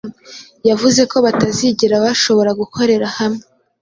Yavuze ko batazigera bashobora gukorera hamwe.